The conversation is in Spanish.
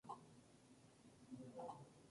Anexo a esta construcción está la casa parroquial.